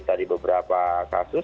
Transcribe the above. tadi beberapa kasus